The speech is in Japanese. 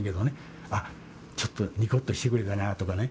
あちょっとにこっとしてくれたなとかね